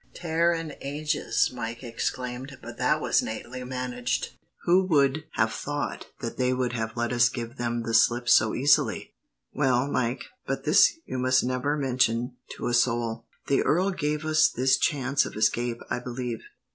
"Tare an' ages," Mike exclaimed, "but that was nately managed. Who would have thought that they would have let us give them the slip so easily!" "Well, Mike but this you must never mention to a soul the earl gave us this chance of escape, I believe.